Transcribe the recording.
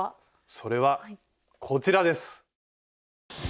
それはこちらです。